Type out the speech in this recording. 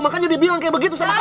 makanya dibilang kayak begitu sama